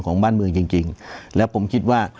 ของบ้านเมืองจริงจริงแล้วผมคิดว่า